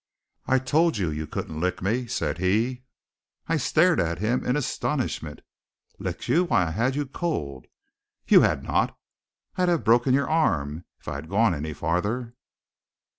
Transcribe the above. "I told you you couldn't lick me," said he. I stared at him in astonishment. "Licked? Why, I had you cold!" "You had not." "I'd have broken your arm, if I had gone any farther."